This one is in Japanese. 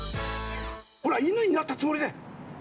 ほらいぬになったつもりで！